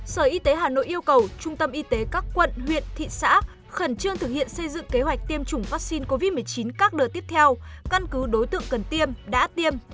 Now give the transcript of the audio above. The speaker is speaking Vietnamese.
sở y tế hà nội yêu cầu trung tâm y tế các quận huyện thị xã khẩn trương thực hiện xây dựng kế hoạch tiêm chủng vaccine covid một mươi chín các đợt tiếp theo căn cứ đối tượng cần tiêm đã tiêm